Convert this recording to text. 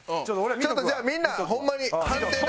ちょっとじゃあみんなホンマに判定な。